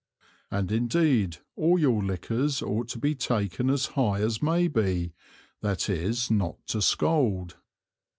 And indeed all your Liquors ought to be taken as high as may be, that is not to scald.